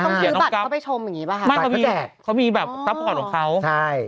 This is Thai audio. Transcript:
ต้องซื้อบัตรเขาไปชมอย่างงี้ป่ะไม่เขามีแบบรับกรรมของเขาใช่